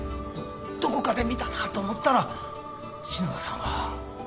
どこかで見たなと思ったら篠田さんはあの事件の？